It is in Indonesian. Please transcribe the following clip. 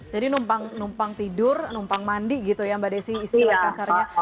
jadi numpang tidur numpang mandi gitu ya mbak desi istilah kasarnya